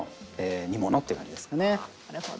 なるほど。